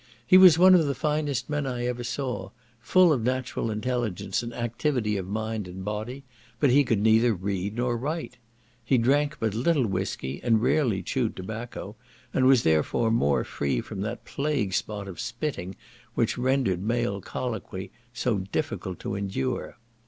He was one of the finest men I ever saw, full of natural intelligence and activity of mind and body, but he could neither read nor write. He drank but little whiskey, and but rarely chewed tobacco, and was therefore more free from that plague spot of spitting which rendered male colloquy so difficult to endure.